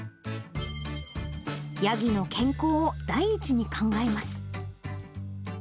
ヤギの健康を第一に考えます。